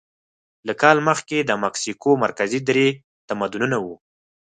له کال مخکې د مکسیکو مرکزي درې تمدنونه وو.